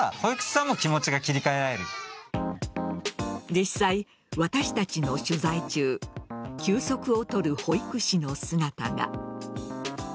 実際、私たちの取材中休息をとる保育士の姿が。